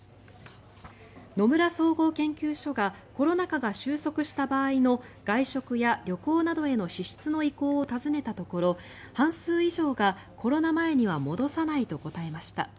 野村総合研究所がコロナ禍が収束した場合の外食や旅行などへの支出の意向を尋ねたところ半数以上がコロナ前には戻さないと答えました。